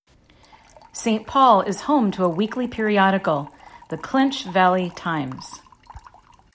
Saint Paul is home to a weekly periodical, the "Clinch Valley Times".